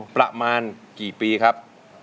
ประมาณกี่ปีครับ